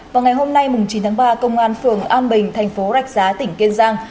vào ngày hôm nay chín tháng ba công an phường an bình thành phố rạch giá tỉnh kiên giang